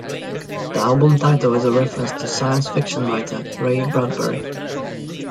The album title is a reference to science-fiction writer Ray Bradbury.